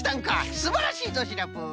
すばらしいぞシナプー！